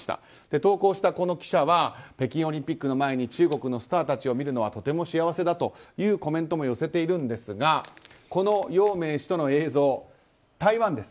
投稿したこの記者は北京オリンピックの前に中国のスターたちを見るのは幸せだというコメントも寄せているんですがこのヨウ・メイ氏との映像台湾です。